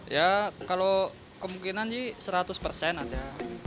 ya kalau kemungkinan sih seratus persen ada